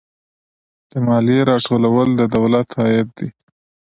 د مالیې راټولول د دولت عاید دی